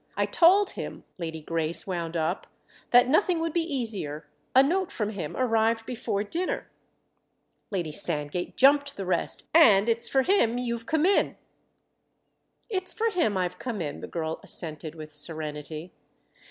I told him," Lady Grace wound up, "that nothing would be easier; a note from him arrived before dinner——" Lady Sandgate jumped the rest "And it's for him you've come in." "It's for him I've come in," the girl assented with serenity.